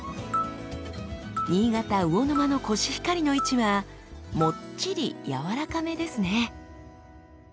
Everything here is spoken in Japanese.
新潟・魚沼のコシヒカリの位置はもっちりやわらかめですね。